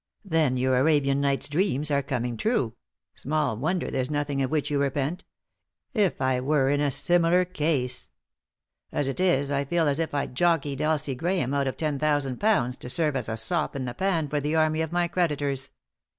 "Then your Arabian Nights dreams are coming true ; small wonder there's nothing of which you repent. If I were in a similar case 1 As it is, I feel as if I'd jockeyed Elsie Grahame out of ten thousand 258 3i 9 iii^d by Google THE INTERRUPTED KISS pounds to serve as a sop in the pan for the army of my creditors."